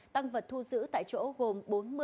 tăng vật thu giữ tại chỗ gồm